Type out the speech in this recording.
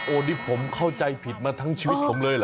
โอ้ดิผมเข้าใจผิดมาทั้งชีวิตผมเลยล่ะ